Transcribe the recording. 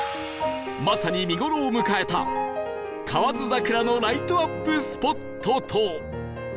まさに見頃を迎えた河津桜のライトアップスポットと